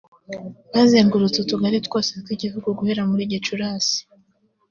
Bazengurutse utugari twose tw’igihugu guhera muri Gicurasi